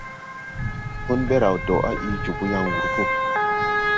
Hun be raw do, a ii jòbō yan wur po.